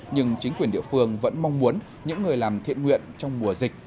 nhưng chính quyền địa phương vẫn mong muốn những người làm thiện nguyện trong mùa dịch